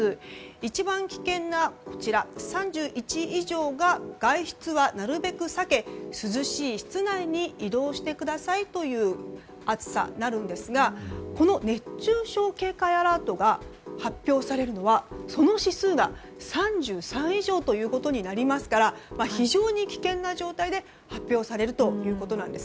一番危険な３１以上が外出はなるべく避け涼しい室内に移動してくださいというものになるんですがこの熱中症警戒アラートが発表されるのは指数が３３以上となりますから非常に危険な状態で発表されるということなんです。